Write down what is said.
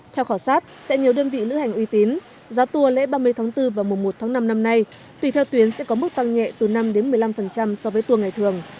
theo khảo sát tại nhiều đơn vị lữ hành uy tín giá tour lễ ba mươi tháng bốn và mùa một tháng năm năm nay tùy theo tuyến sẽ có mức tăng nhẹ từ năm đến một mươi năm so với tour ngày thường